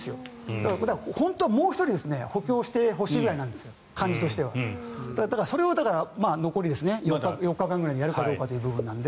だから、本当はもう１人補強してほしいぐらいなんです感じとしては。それを残り４日でやるかどうかということで